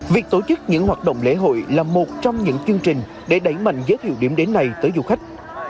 việc tổ chức những hoạt động lễ hội là một trong những chương trình để đẩy mạnh giới thiệu điểm đến này tới du khách